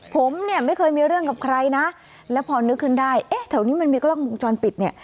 ผมเนี่ยไม่เคยมีเรื่องกับใครนะแล้วพอนึกขึ้นได้เอ๊ะแถวนี้มันมีกล้องวงจรปิดเนี่ย